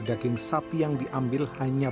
daging sapi yang diambil hanya